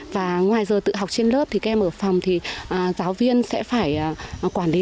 và ngoài giờ tự học trên lớp thì các em ở phòng thì giáo viên sẽ phải quản lý